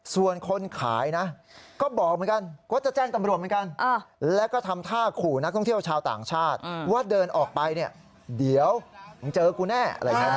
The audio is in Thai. ส่วนคนขายนะก็บอกเหมือนกันก็จะแจ้งตำรวจเหมือนกันแล้วก็ทำท่าขู่นักท่องเที่ยวชาวต่างชาติว่าเดินออกไปเนี่ยเดี๋ยวมึงเจอกูแน่อะไรอย่างนี้